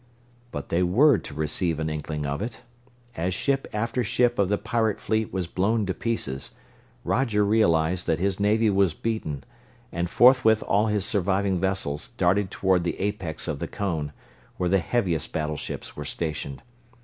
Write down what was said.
But they were to receive an inkling of it. As ship after ship of the pirate fleet was blown to pieces, Roger realized that his navy was beaten, and forthwith all his surviving vessels darted toward the apex of the cone, where the heaviest battleships were stationed.